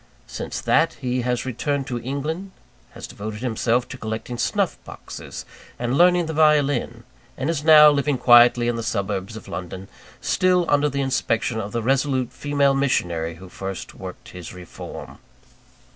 Since that, he has returned to England; has devoted himself to collecting snuff boxes and learning the violin; and is now living quietly in the suburbs of London, still under the inspection of the resolute female missionary who first worked his reform.